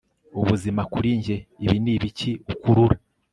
ubuzima kuri njye ibi ni ibiki ukurura